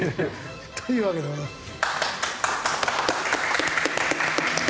というわけでございました。